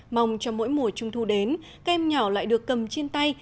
mong cho mỗi mùa trung thu đến các em nhỏ lại được cầm trên tay